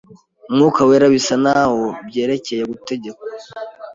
Umwuka Wera bisa n'aho byerekereye gutegekwa